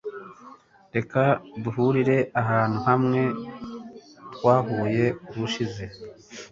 reka duhurire ahantu hamwe twahuye ubushize